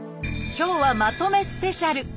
今日はまとめスペシャル。